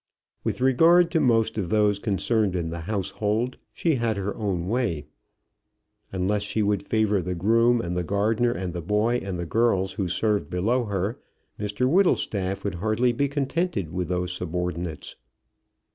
With regard to most of those concerned in the household, she had her own way. Unless she would favour the groom, and the gardener, and the boy, and the girls who served below her, Mr Whittlestaff would hardly be contented with those subordinates.